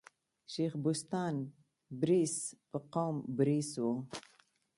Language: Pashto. شېخ بستان برېڅ په قوم بړېڅ ؤ.